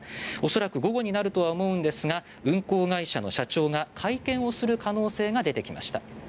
恐らく午後になるとは思うんですが運航会社の社長が会見をする可能性が出てきました。